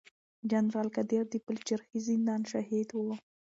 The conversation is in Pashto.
جنرال قادر د پلچرخي زندان شاهد و.